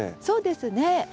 そうですね。